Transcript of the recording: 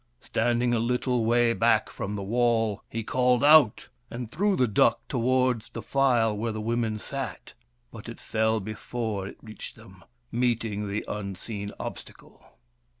Standing a little way back from the wall, he called out and threw the duck towards the file where the women sat. But it fell before it reached them, meeting the unseen obstacle.